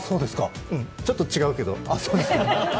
ちょっと違うけど。